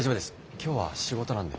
今日は仕事なんで。